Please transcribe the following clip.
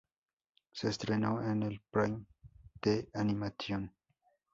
Se estrenó en el Prime The Animation!